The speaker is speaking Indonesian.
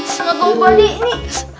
semua bawa balik nih